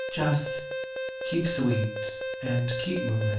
Just " Keep sweet and keep movin'."